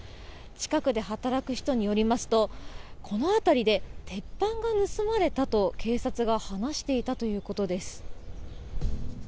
近くで働く人によりますとこの辺りで鉄板が盗まれたと警察が話していたということです。